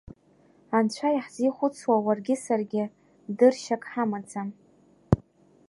Анцәа иаҳзихәыцуа уаргьы саргьы дыршьак ҳамаӡам…